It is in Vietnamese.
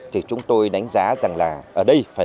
thì chúng tôi đánh giá rằng là ở đây